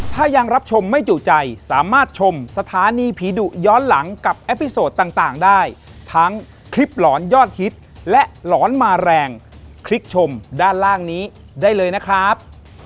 ถ้ายังรับชมไม่จุใจสามารถชมสถานีผีดุย้อนหลังกับแอปพลิโซดต่างได้ทั้งคลิปหลอนยอดฮิตและหลอนมาแรงคลิกชมด้านล่างนี้ได้เลยนะครับ